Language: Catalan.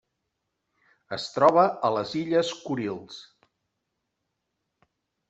Es troba a les Illes Kurils.